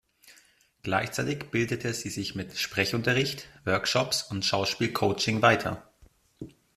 Gleichzeitig bildete sie sich mit Sprechunterricht, Workshops und Schauspiel-Coaching weiter.